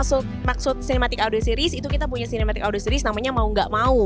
reza maksud cinematic audio series itu kita punya cinematic audio series namanya mau nggak mau